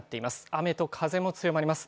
雨と風も強まります。